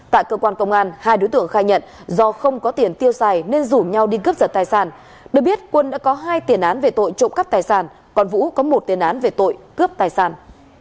tại cơ quan công an hai đối tượng khai nhận do không có tiền tiêu xài nên rủ nhau đi cướp giật tài sản được biết quân đã có hai tiền án về tội trộm cắp tài sản còn vũ có một tiền án về tội cướp tài sản